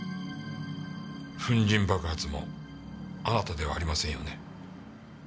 粉塵爆発もあなたではありませんよね？